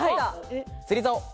釣り竿。